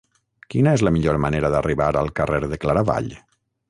Quina és la millor manera d'arribar al carrer de Claravall?